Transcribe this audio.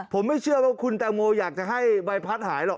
ผมไม่เชื่อว่าคุณแตงโมอยากจะให้ใบพัดหายหรอก